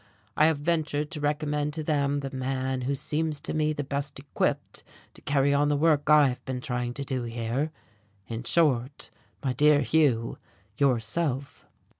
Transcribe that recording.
I have ventured to recommend to them the man who seems to me the best equipped to carry on the work I have been trying to do here in short, my dear Hugh, yourself.